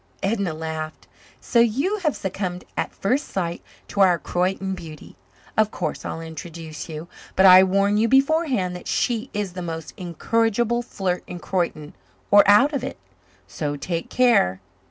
Edna laughed. "So you have succumbed at first sight to our Croyden beauty? Of course I'll introduce you, but I warn you beforehand that she is the most incorrigible flirt in Croyden or out of it. So take care."